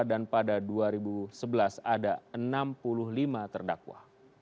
dan pada dua ribu sebelas ada enam puluh lima terdakwa